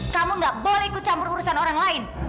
kamu gak boleh ikut campur urusan orang lain